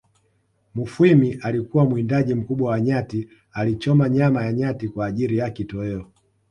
Mufwimi alikuwa mwindaji mkubwa wa nyati alichoma nyama ya nyati kwa ajiri ya kitoeo